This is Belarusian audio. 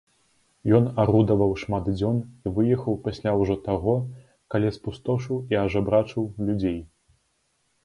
Ён арудаваў шмат дзён і выехаў пасля ўжо таго, калі спустошыў і ажабрачыў людзей.